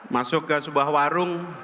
masuk ke sebuah warung